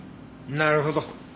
なるほど。